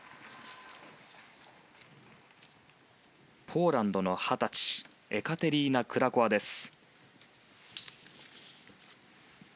ポーランドの二十歳エカテリーナ・クラコワです。